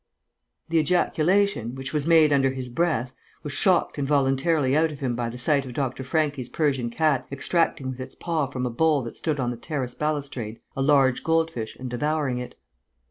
The ejaculation, which was made under his breath, was shocked involuntarily out of him by the sight of Dr. Franchi's Persian cat extracting with its paw from a bowl that stood on the terrace balustrade a large gold fish and devouring it.